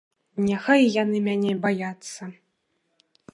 Няхай яны мяне баяцца!